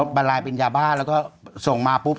มันกลายเป็นยาบ้าแล้วก็ส่งมาปุ๊บ